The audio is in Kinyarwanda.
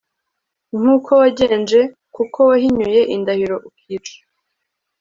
nk uko wagenje kuko wahinyuye indahiro ukica